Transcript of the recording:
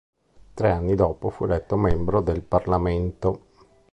Tre anni dopo fu eletto membro del Parlamento.